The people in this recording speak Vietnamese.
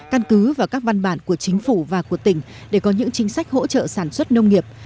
căn cứ vào các văn bản của chính phủ và của tỉnh để có những chính sách hỗ trợ sản xuất nông nghiệp